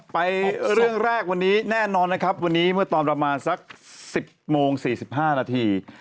ไปเรื่องแรกแน่นอนวันนี้เมื่อตอนประมาณสัก๑๐โมง๔๕นาที